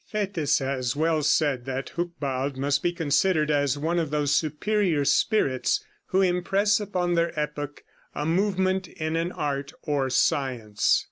Fétis has well said that Hucbald must be considered as one of those superior spirits who impress upon their epoch a movement in an art or science.